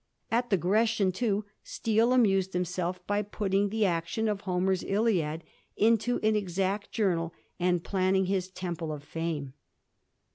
At the * Grecian,' too, Steele amused himself by putting the action of Homer's Iliad into an exact journal and planning^ his * Temple of Fame.'